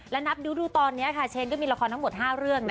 และนับดูตอนนี้ค่ะเชนก็มีละครทั้งหมด๕เรื่องนะ